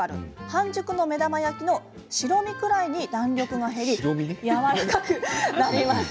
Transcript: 半熟の目玉焼きの白身くらいに弾力が減りやわらかくなります。